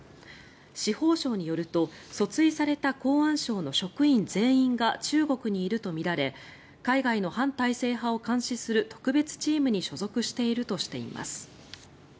司法省によると訴追された公安省の職員全員が中国にいるとみられ海外の反体制派を監視する特別チームに所属しているとしています。